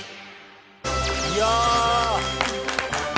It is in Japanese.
いや。